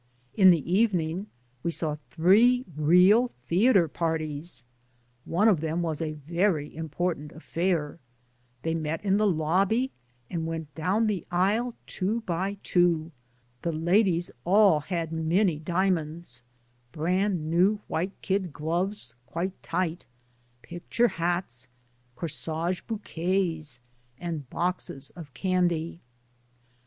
In the evening we saw three real theater parties. One of them was a very important affair; they met in the lobby and went down the aisle two by two ; the ladies all had many 72 Digitized by LjOOQ IC IN ROCHELLE diamonds, brand new white kid gloves quite tight, picture hats, corsage bouquets and boxes of candy.